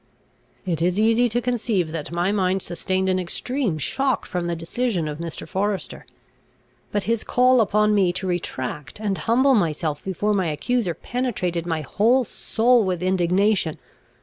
It is easy to conceive that my mind sustained an extreme shock from the decision of Mr. Forester; but his call upon me to retract and humble myself before my accuser penetrated my whole soul with indignation.